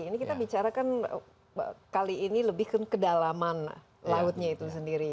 ini kita bicara kan kali ini lebih ke kedalaman lautnya itu sendiri